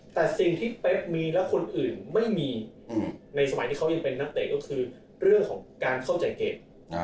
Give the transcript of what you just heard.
แต่สิ่งที่เป๊กมีและคนอื่นไม่มีในสมัยที่เขายังเป็นนักเตะก็คือเรื่องของการเข้าใจเกม